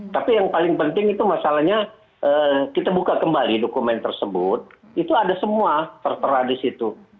tapi yang paling penting itu masalahnya kita buka kembali dokumen tersebut itu ada semua tertera di situ